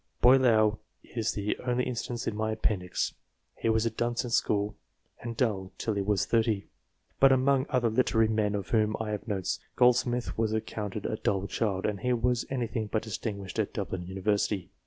Boileau is the only instance in my appendix. He was a dunce at school, and dull till he was 30. But, among other literary men of whom I have notes, Goldsmith was accounted a dull child, and he was anything but distinguished at Dublin University.